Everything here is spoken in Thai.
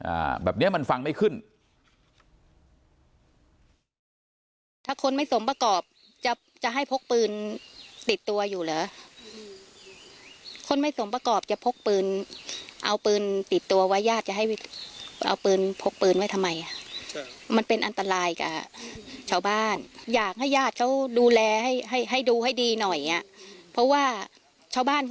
อ่าแบบเนี้ยมันฟังไม่ขึ้น